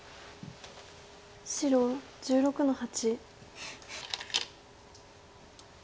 白１６の八。